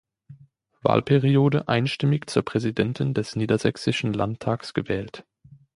Wahlperiode einstimmig zur Präsidentin des Niedersächsischen Landtags gewählt.